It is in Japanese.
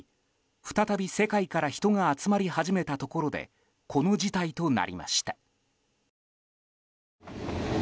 再び世界から人が集まり始めたところでこの事態となりました。